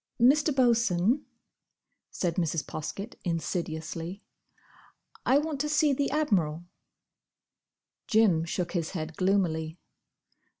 "Mr. Bosun," said Mrs. Poskett, insidiously, "I want to see the Admiral." Jim shook his head gloomily.